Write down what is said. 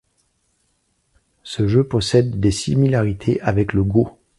Ce jeu possède des similarités avec le go.